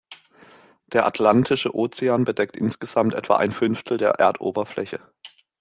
Der Atlantische Ozean bedeckt insgesamt etwa ein Fünftel der Erdoberfläche.